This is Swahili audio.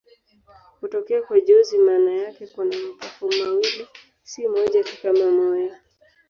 Hutokea kwa jozi maana yake kuna mapafu mawili, si moja tu kama moyo.